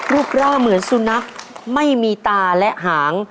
รูปร่างเหมือนสุนัขไม่มีตาและหาง